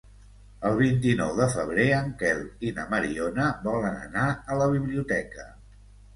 El vint-i-nou de febrer en Quel i na Mariona volen anar a la biblioteca.